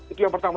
itu yang pertama